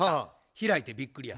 開いてびっくりや。